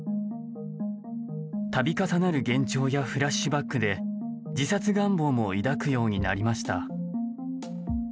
度重なる幻聴やフラッシュバックで自殺願望も抱くようになりました。